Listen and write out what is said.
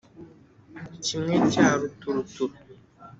Kimwe cya ruturuturu